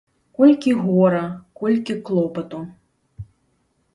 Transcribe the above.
Колькі гора, колькі клопату!